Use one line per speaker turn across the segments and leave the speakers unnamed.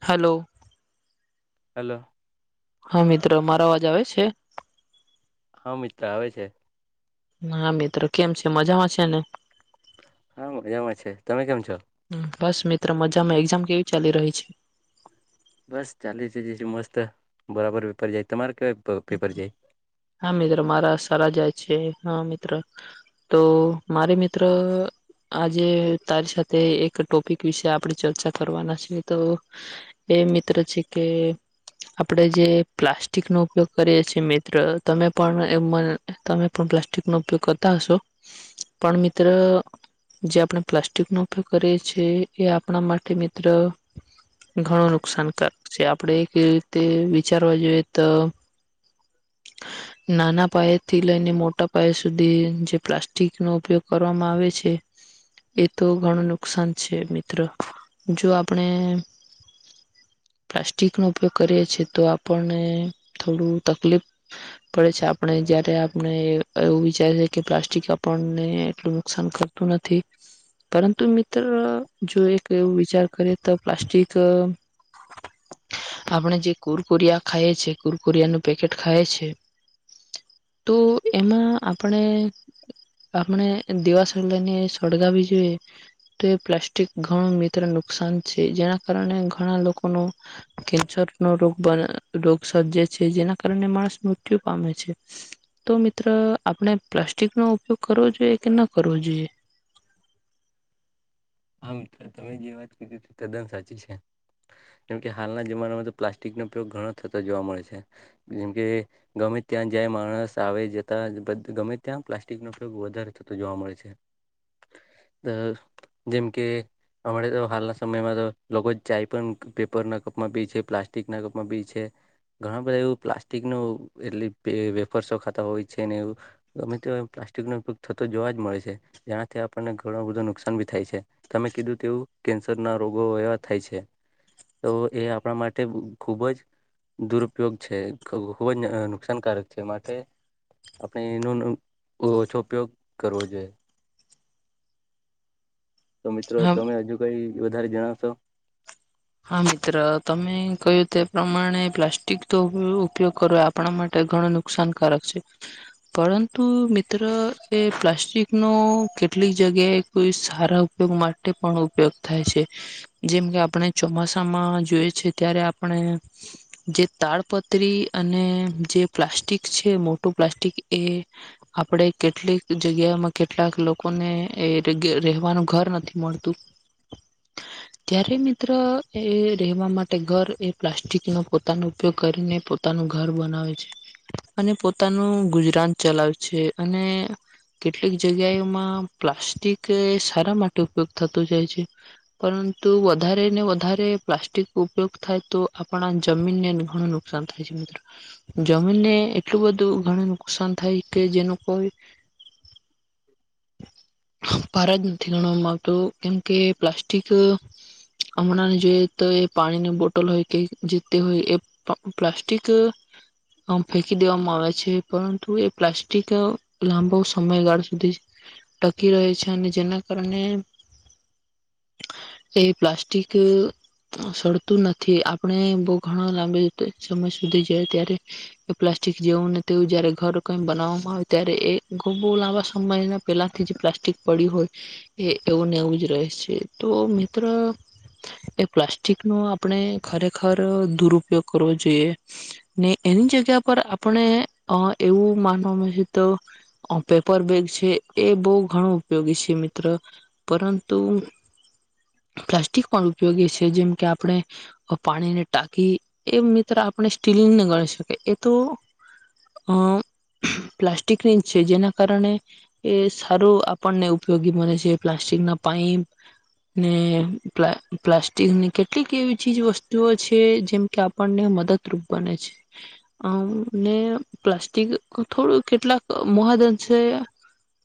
Hello.
Hello.
હા મિત્રો મારો અવાજ આવે છે?
હા મિત્ર આવે છે.
હા મિત્રો કેમ છે મજામાં છે ને?
હા મજામાં છે તમે કેમ છો
બસ મિત્ર મજામાં. એક્ઝામ કેવી ચાલી રહી? છે.
બસ ચાલી છે જ છે મસ્ત બરાબર પેપર જાય. તમારે કેવા પેપર જાય?
હા મિત્ર મારા સારા જાય છે. હા મિત્ર તો મારે મિત્ર આજે તારી સાથે એક ટોપિક વિશે આપણે ચર્ચા કરવાના છે. તો એ મિત્ર છે કે આપણે જે પ્લાસ્ટિકનો ઉપયોગ કરીએ છીએ મિત્ર તમે પણ એમાં તમે પણ પ્લાસ્ટિકનો ઉપયોગ કરતા હશો પણ મિત્ર જે આપણે પ્લાસ્ટિકનો ઉપયોગ કરીએ છીએ એ આપણા માટે મિત્ર ઘણું નુકસાનકારક છે. આપણે કેવી રીતે વિચારવા જોઈએ તો નાના પયા થી લઈને મોટા પાયે સુધી જે પ્લાસ્ટિકનો ઉપયોગ કરવામાં આવે છે. એ તો ઘણું નુકસાન છે. મિત્ર જો આપણે પ્લાસ્ટિક નો ઉપયોગ કરીએ છીએ તો આપને થોડું તકલીફ પડે છે. આપણે જયારે આપણે એવું વિચારે છે કે, પ્લાસ્ટિક આપણને એટલું નુકસાન કરતું નથી, પરંતુ મિત્ર જો એક એવ વિચાર કરીએ તો પ્લાસ્ટિક આપણે જે કુરકુરિયા ખાઈએ છીએ કુરકુરિયાનું પેકેટ ખાય છે. તો એમાં આપણે આપણે દીવાસળી‌ લઈને સળગાવી જોઈએ તો એ પ્લાસ્ટિક ઘણું મિત્ર નુકસાન છે. જેના કારણે ઘણા લોકોનો કેન્સર નો રગ રોગ સર્જે છે જેના કાર માણસ મૃત્યુ પામે છે. તો મિત્ર આપણે પ્લાસ્ટિક નો ઉપયોગ કરવો જોઈએ કે ન કરવો જોઈએ!
હા તમે જે વાત કીધી તદ્દન સાચી છે. કેમકે હાલના જમાનામાં તો પ્લાસ્ટિકનો ઉપયોગ ઘણો થતો જોવા મળે છે. જેમકે ગમે ત્યાં જ્યા માણસ આવે જતા ગમે ત્યાં પ્લાસ્ટિકનોયોગ વધારે થતો જોવા મળે છે. જેમ કે અમાણા તો હાલના સમયમાં તો લોકો ચાય પણ પેપરના કપમાં બી છે, પ્લાસ્ટિકના કપમાં બી છે, ઘણા બધા એવું પ્લાસ્ટિક ન એટલે વેફર ખાતા હોય છે ને એવું અમે તો પ્લાસ્ટિકનો ઉપયોગ થતો જોવા જ મળે છે જેનાથી આપણને ઘણું બધો નુકસાની થાય છે તમે કીધું તેવું કેન્સર ના રોગો એવા થાય છે. તો એ આપણા માટે ખૂબ જ દુરુપયોગ છે ખૂબ જ નુકસાનકારક છે. માટે આપણે એનો ઓછો ઉપયોગ કરવો જોઈએ. તો મિત્રો
હા
તમે હજુ કઈ વધારે જણાવશો?
હા મિત્ર તમે કહ્યું તે પ્રમાણે પ્લાસ્ટિક તો ઉપયોગ કરો આપણા માટે ઘણું નુકસાનકારક છે. ‌ પરંતુ મિત્ર એ પ્લાસ્ટિક નો કેટલીક જગ્યાએ કોઈ સારા ઉપયોગ માટે પણ ઉપયોગ થાય છે. જેમ કે આપણે ચોમાસામાં જોય છે ત્યારે આપણે જે તાડપત્રી અને જે પ્લાસ્ટિક છે મોટું પ્લાસ્ટિક એ આપણે કેટલીક જગ્યામાં કેટલાક લોકોને રહેેવાનું ઘર નથી મળતું ત્યારે મા એ રહેવા માટે ઘર એ પ્લાસ્ટિકનો પોતાનો ઉપયોગ કરીને પોતાનું ઘર બનાવે છે. અને પોતાનું ગુજરાન ચલાવે છે. અને કેટલીક જગ્યામાં પ્લાસ્ટિક એ સારા માટે ઉપયોગ થતો જાય છે. પરંતુ વધારેને વધારે પ્લાસ્ટિક ઉપયોગ થાય તો આપણા જમીનને ઘણું નુકસાન થાય છે. મિત્રો જમીનને એટલું બધું ઘણું નુકસાન થાય કે જેનું કોઈ ભાર જ નથી ગણવામાં આવતો કેમ કે, પ્લાસ્ટિક હમણાં જોઈએ તો એ પાણીની બોટલ હોય કે જે તે હોય એ પ્લાસ્ટિક ફેંકી દેવામાં આવે છે. પરંતુ એ પ્લાસ્ટિક લાંબો સમયગાળ સુધી ટકી રહે છે. અને જેના કારણે એ પ્લાસ્ટિક સળતું નથી. આપણે બહ ઘણ લાંબ સમય સુધી જાય ત્યારે એ પ્લાસ્ટિક જેવું તેવું જયારે ઘર કઈ બનાવવામાં આવે ત્યારે એ બહ લાંબા સમય પેલાથી જે પ્લાસ્ટિક પડી હોય એ એવું ને એવું જ રહે છે. તો મિત્ર એ પ્લાસ્ટિક નો આપણે ખરેખર દુરુપયોગ કરવો જોઈએ ને એની જગ્યા પર આપણે એવું માનવામાં છે, તો પેપર બેગ છે. એ બહુ ઘણું ઉપયોગી છે. મિત્ર પરંતુ પ્લાસ્ટિક પણ ઉપયોગી છે. જેમ કે આપણે પાણીને ટાકી એ મિત્ર આપણે સ્ટીલને ગણી શકીએ એ તો અ પ્લાસ્ટિકની જ છે જેના કારણે એ સારું આપણને ઉપયોગી બને છે. પ્લાસ્ટિક ના પાઇપ ને પ પ્લાસ્ટિકની કેટલીક એવી ચીજ વસ્તુઓ છે. જેમ કે આપણને મદદરૂપ બને છે. ને પ્લાસ્ટિક થોડું કેટલાક મહાદંશે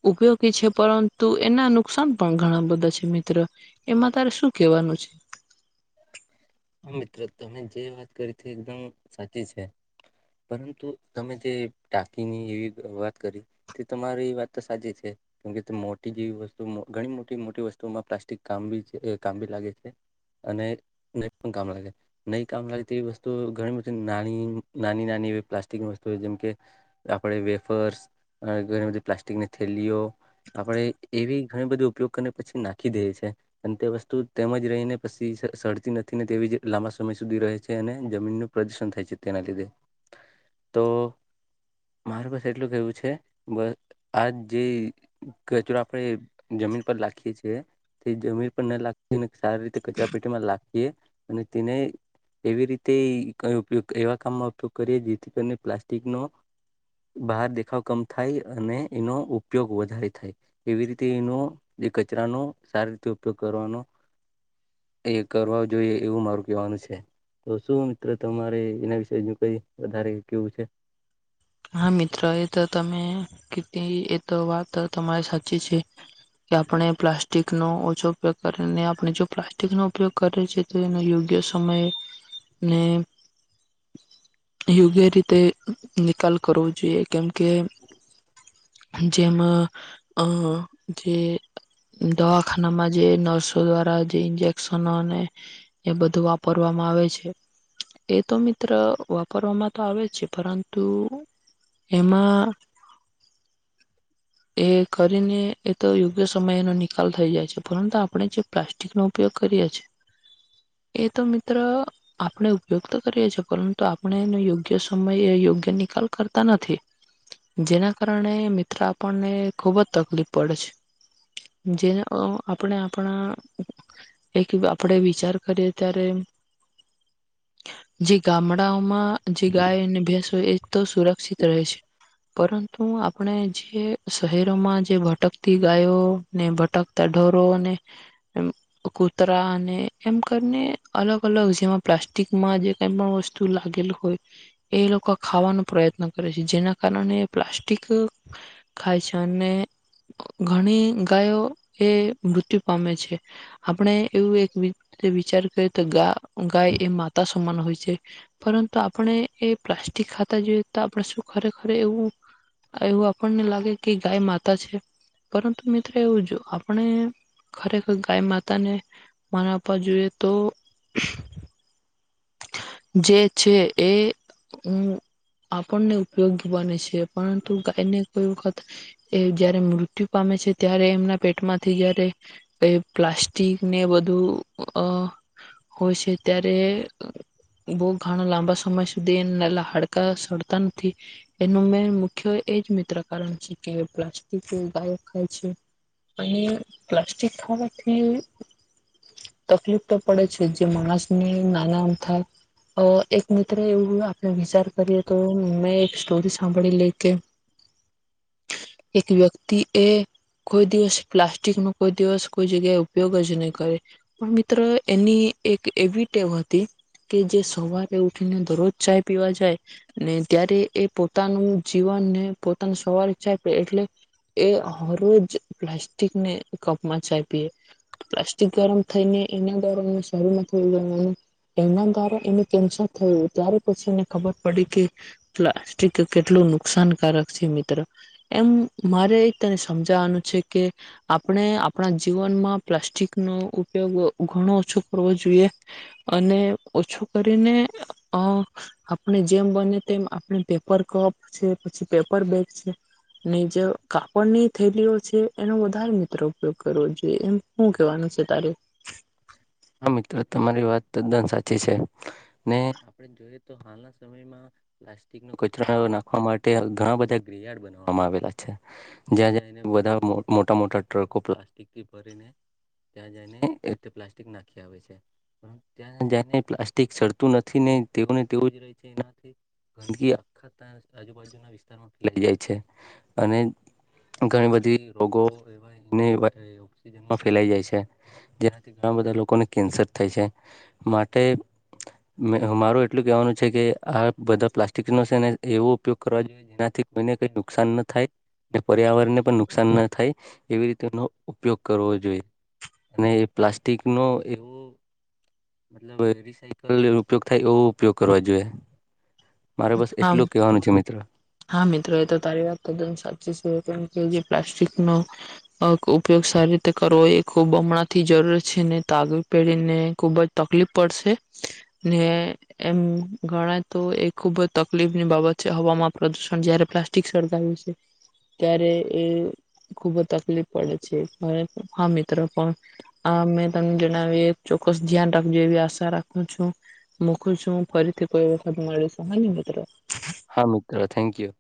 ઉપયોગી છે. પરંતુ એના નુકસાન પણ ઘણા બધા છે. મિત્રો એમાં તારે શું કેહેવાનું છે?
મ્ર તમે જે વાત કરી તે એકદમ સાચી છે. પરંતુ તમે જે ટાંકીની એવી વાત કરી તે તમારી વાત તો સાચી છે. કેમકે મોટી જેવી વસ્તુ ઘણી મોટી મોટી વસ્તુઓમાં પ્લાસ્ટિક કામી છે. કામી લાગે છે. અને નહી કામ લાગે તેવી વસ્તુ ઘણી બધી નાની નાની નાની એવી પ્લાસ્ટિક વસ્તુ જેમ કે આપણે વેફર્સ ઘણી બધી પ્લાસ્ટિકની થેલીઓ આપણે એવી ઘણી બધી ઉપયોગ કરીને પછી નાખી દેએ છે અને તે વસ્તુ તેમજ રહીને પછી સતી નથી. ને તેવી જ લાંબા સમય સુધી રહે છે અને જમીનનું પ્રદુષણ થાય છે તેના લીધે તો મારી પાસે એટલું કેવું છે બસ આ જે કચરો આપણે જમીન પર લખીએ છેીએ તે જમીન પર ના લાગી સારી રીતે કચરા પેટીમાં લ. અને તેને એવી રીતે ક ઉપયોગ એવા કામમાં ઉપયોગ કરીએ જેથી કરીને પ્લાસ્ટિકનો બહાર દેખાવ કમ થાય અને એનો ઉપયોગ વધારે થાય એવી રીતે એનો જે કચરાનો સારી રીતે ઉપયોગ કરવાનો એક. કરવા જોઈએ એવું મારું કવાનું છે તો શું મિત્ર તમારે એના વિશેજ કઈ વધારે કેવું છે.
હા મિત્રો એ તો તમે કી એ તો વાત તમારે સાચી છે કે આપણે પ્લાસ્ટિકનોો ઓછો ઉપયોગ કરીને આપણે જો પ્લાસ્ટિકનોો ઉપયોગ કરીએ છી તો એનો યોગ્ય સમય ને યોગ્ય રીતે નિકાલ. કરવું જોઈએ કેમ. કે. જેમ અ જે દવાખાનામાં જે નર્સો દ્વારા જે ઇન્જેક્શનો અને એ બધું વાપરવામાં આવે છે એ તો મિત્ર વાપરવામાં તો આવે છે પરંતુ. એમાં. એ કરીને એ તો યોગ્ય સમય એનો નિકાલ થઈ જાય છે પરંતુ આપણે જે પ્લાસ્ટિકનોો ઉપયોગ કરીએ છે એ તો મિત્ર આપણે ઉપયોગ તો કરીએ છીએ પરંતુ આપણે એનો યોગ્ય સમય યોગ્ય નિકાલ કરતા નથી જેના કારણે મિત્ર. આપણને ખુબ જ તકલીફ પડે છે જેને આપણે આપણા એક આપણે વિચાર કરીએ ત્યારે જે ગામડાઓમાં. જે ગાય અને ભેસ. એ તો સુરક્ષિત રહે છે પરંતુ આપણે જે. શહેરોમાં જે ભટકતી ગાયો ને ભટકતા ઢરો અને કૂતરા અને એમ કરીને અલગ અલગ જેમાં પ્લાસ્ટિકમાં જે કઈ પણ વસ્તુ લાગેલ હોય એ લોકો ખાવાનો પ્રયત્ન કરે છે જેના કારણે પ્લાસ્ટિક. ખાય છે અને ઘણી ગાયો એ મૃત્યુ પામે છે આપણે. એવું એક વિચાર કર તો ગ ગાય એ માતા. હોય પરંતુ આપણે એ પ્લાસ્ટિક ખાતા જોઈએ તો આપ શું ખરેખર એવુંવું આપને લ. કે ગાય માતા છે પરંતુ મિત્રો એવું જો આપણે ખરેખર ગાય માતાને માન આપવા જોઈએ તો. જે છે એ આપણને ઉપયોગી બને છે. પણ તું એને કોઈ. એ જયારે મૃત્યુ પામે છે ત્યારે એમના. પેટમાંથી જયારે. એ પ્લાસ્ટિક ને બધું અ હોય છે ત્યારે. બહ ઘણા લાંબા સમય સુધી હાડકા સળતા નથી એનું મેન મુખ્ય એ જ મિત્ર કારણ છે કે પ્લાસ્ટિક ગાયો ખાય છે અને પ્લાસ્ટિક ખાવાથી તકલીફ તો પડે છે જે માણસને નાના. એક મિત્ર એવું આપણે વિચાર કરીએ તો મેં એક સ્ટોરી સાંભળી લ કે એક વ્યક્તિ એ કોઈ દિવસ પ્લાસ્ટિક નો કોઈ દિવસ કોઈ જગ્યાએ ઉપયોગ જ નહી કરે પણ મિત્ર એની એક એવી ટેમ હતી. કે જે સવારે ઉઠ. ને દરરોજ ચાય પીવા જાય ને ત્યારે એ પોતાનું જીવનને પોતાના સવારે ચાય પી એટલે એ હ રજ પ્લાસ્ટિકને કપમાં ચાય પીએ પ્લાસ્ટિક ગરમ થઈને એના દર શમાં થુંવાનું. એના દ્વા એને કેન્સર થયું ત્યારે પછી એને ખબર પડી કે પ્લાસ્ટિક કેટલું નુકસાનકારક છે મિત્રો એમ મારે તને સમજાવાનું છે કે આપણે આપણા જીવનમાં પ્લાસ્ટિકનોો ઉપયોગ ઘણો ઓછો કરવો જોઈએ. અને ઓછું કરીને આપણે જેમ બને તેમ આપણે પેપર કપ છે પછી પેપર બેગ છે જે કાપડની થેલીઓ છે એનો વધારે મિત્ર ઉપયોગ કરવો જોઈએ એમ શું કેવાનું છે તારે.
હા મિત્ર તમારી વાત તદ્દન સાચી છે ને આપણે જોઈએ તો હાલના સમયમાં પ્લાસ્ટિક ન કચરા નાખવા માટે ઘણા બધા ગયડ બનાવામાં આવેલા છે જ્યાં જઈને બધા મોટા મોટા ટ્રકો પ્લાસ્ટિકથી ભરીને ત્યાં જઈને પ્લા. નાખ આવેને પ્લાસ્ટિક સડતું નથી ને તેને તેવું જ રહે છે એનાથી ગંદકી આખા આજુબાજુના વિસ્તારમાં ફેલાઈ જાય છે અને ઘણી બધી રોગો એવાજમાં ફેલાઈ જાય છે જેનાથી. ઘણા બધા લોકોને કેન્સર થાય છે માટે મારું એટલું કહેવાનું છે કે આ બધા પ્લાસ્ટિકનો છે ને એવો ઉપયોગ કરવા જોઈએ જેનાથી કોઈને કંઈ નુકસાન ન થાય પર્યાવરણને પણ નુકસાન ન થાય એવી રીતે એનો ઉપયોગ કરવો જોઈએ અને એ. પ્લાસ્ટિક નો એવો મતલબ રિસાયકલ ઉપયોગ થાય એવો ઉપયોગ કરવા જોઈએ. મારે બસ
હા
એટલું કહેવાનું છે મિત્ર.
હા મિત્રો એ તો તારી વાત તદ્દન સાચી છે કેમ કે જે પ્લાસ્ટિકનો ઉપયોગ સારી રીતે કરવો એ ખૂબ હમણાં થી જરૂર છે તાગવી પહેડીને ખુબ જ તકલીફ પડશે ને એમ ગણાય તો એ ખૂબ જ તકલીફની બાબત છે હવામાં. પ્રદુષણ જયારે પ્લાસ્ટિક સળગાવ્યું છે ત્યારે એ ખુબ જ તકલીફ પડે છે હા મિત્રો પણ આ મેં તમને જણાવી ચોક્કસ ધ્યાન રાખજ એવી આશા રાખું છું મકું છું ફરીથી કોઈ વખત મળે હ મિત્રો.
હા મિત્ર. Thank you.